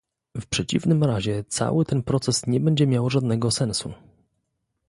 W przeciwnym razie cały ten proces nie będzie miał żadnego sensu